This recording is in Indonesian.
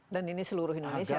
dan ini seluruh indonesia tentu saja